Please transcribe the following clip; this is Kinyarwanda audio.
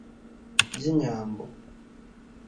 by’inyambo.